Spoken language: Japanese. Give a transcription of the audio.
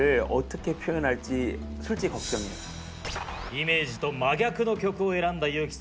イメージと真逆の曲を選んだユウキさん。